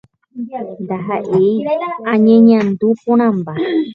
"Ndaha'éi añeñandu porãmba